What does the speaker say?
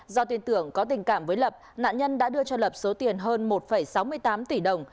do tin tưởng có tình cảm với lập nạn nhân đã đưa cho lập số tiền hơn một sáu mươi tám tỷ đồng